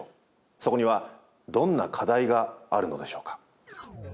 そこにはどんな課題があるのでしょうか。